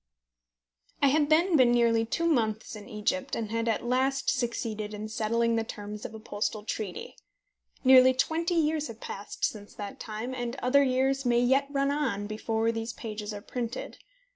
I had then been nearly two months in Egypt, and had at last succeeded in settling the terms of a postal treaty. Nearly twenty years have passed since that time, and other years may yet run on before these pages are printed.